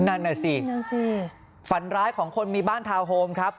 นั่นน่ะสินั่นสิฝันร้ายของคนมีบ้านทาวน์โฮมครับ